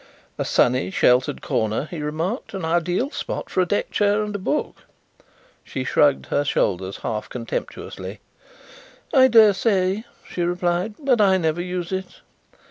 "A sunny, sheltered corner," he remarked. "An ideal spot for a deck chair and a book." She shrugged her shoulders half contemptuously. "I dare say," she replied, "but I never use it."